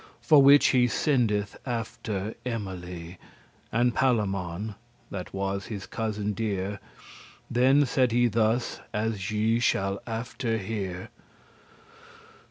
For which he sendeth after Emily, And Palamon, that was his cousin dear, Then said he thus, as ye shall after hear.